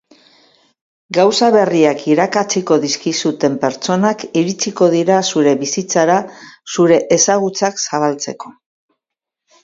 Gauza berriak irakatsiko dizkizuten prtsonak iritsiko dira zure bizitzara zure ezagutzak zabaltzeko.